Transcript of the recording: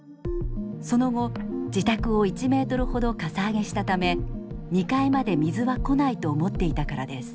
その後自宅を１ｍほどかさ上げしたため２階まで水は来ないと思っていたからです。